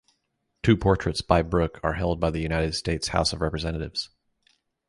Two portraits by Brooke are held by the United States House of Representatives.